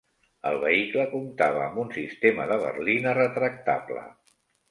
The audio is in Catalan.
El vehicle comptava amb un sistema de berlina retractable.